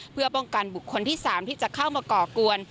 เพื่อป้องกันบุคคลที่๓ที่จะเข้ามาก่อกวน